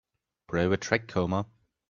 Play the track Coma